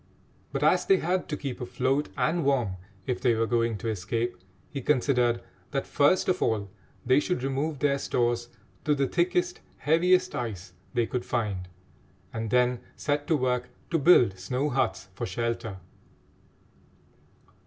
But as they had to keep afloat and warm if they were going to escape, he considered that first of all they should remove their stores to the thickest, heaviest ice they could find, and then set to work to build snow huts for shelter.